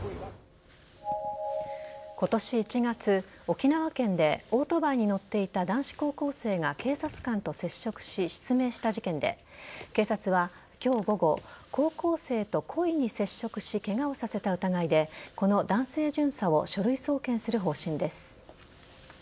今年１月、沖縄県でオートバイに乗っていた男子高校生が警察官と接触し、失明した事件で警察は、今日午後高校生と故意に接触しケガをさせた疑いでこの男性巡査を書類送検する方針です。